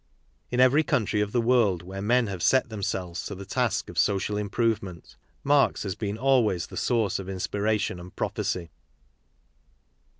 In every country of the world where men have set themselves to the task of social improvement, Marx has been always the source of inspiration and prophecy.